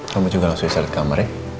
kamu juga langsung istirahat ke kamar ya